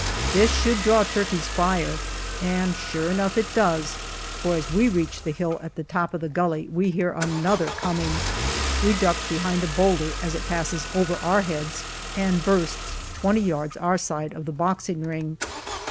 This should draw Turkey's fire; and sure enough it does, for as we reach the hill at the top of the gully we hear another coming. We duck behind a boulder as it passes over our heads and bursts twenty yards our side of the boxing ring.